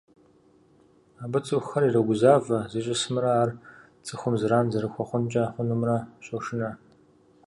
Абы цӀыхухэр ирогузавэ, зищӀысымрэ ар цӀыхум зэран зэрыхуэхъункӀэ хъунумрэ щошынэ.